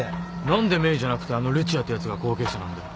何でメイじゃなくてあのルチアってやつが後継者なんだよ。